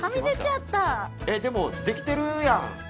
でもできてるやん！